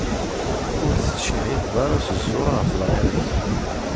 Ur tettcihhideḍ ara s ẓẓur ɣef lɣir-ik.